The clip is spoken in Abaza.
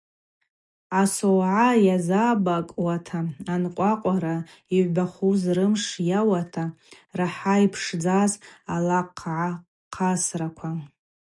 Асогӏа йазабакӏуата: анкъвакъвраква йгӏвбахуз рымш йауата рахӏа йпшдзаз алахъвгӏахъасраква.